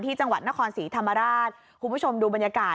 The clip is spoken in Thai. ที่จังหวัดนครศรีธรรมราชคุณผู้ชมดูบรรยากาศ